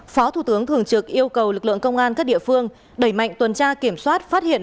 phó thủ tướng thường trực yêu cầu lực lượng công an các địa phương đẩy mạnh tuần tra kiểm soát phát hiện